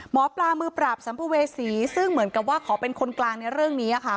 หมอปลามือปราบสัมภเวษีซึ่งเหมือนกับว่าขอเป็นคนกลางในเรื่องนี้ค่ะ